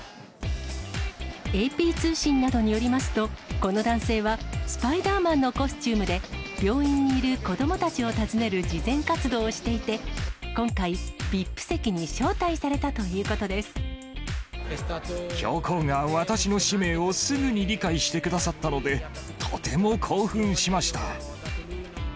ＡＰ通信などによりますと、この男性は、スパイダーマンのコスチュームで、病院にいる子どもたちを訪ねる慈善活動をしていて、今回、ＶＩＰ教皇が私の使命をすぐに理解してくださったので、とても興奮しました。